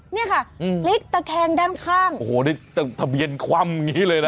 เนี่ยค่ะพลิกตะแคงด้านข้างโอ้โหนี่ทะเบียนคว่ำอย่างนี้เลยนะ